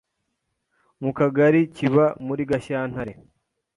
Mu Kagari kiba muri Gashyantare